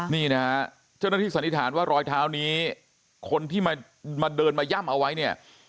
นี่นะฮะเจ้าหน้าที่สันนิษฐานว่ารอยเท้านี้คนที่มาเดินมาย่ำเอาไว้เนี่ย